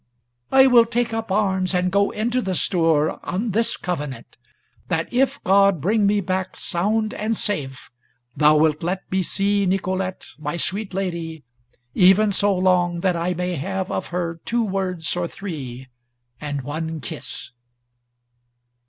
"I will take up arms, and go into the stour, on this covenant, that, if God bring me back sound and safe, thou wilt let me see Nicolete my sweet lady, even so long that I may have of her two words or three, and one kiss."